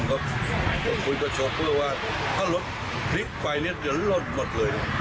เขาคุยกับโชคเพื่อว่าถ้ารถพลิกไฟเนี่ยเดี๋ยวลดหมดเลย